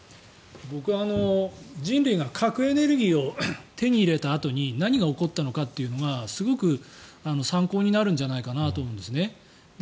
僕は人類が核エネルギーを手に入れたあとに何が起こったのかというのがすごく参考になるんじゃないかなと思うんですね。